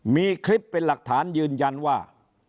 มีคลิปเป็นหลักฐานยืนยันว่า